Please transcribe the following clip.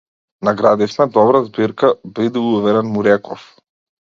Наградивме добра збирка, биди уверен, му реков.